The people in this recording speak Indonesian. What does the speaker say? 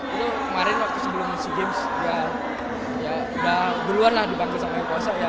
ini kemarin waktu sebelum si james udah duluan lah dibangun sama yoko hosea ya